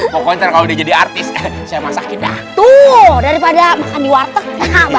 pokoknya kalau udah jadi artis saya masak kita tuh daripada makan di warteg